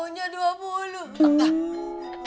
maunya dua puluh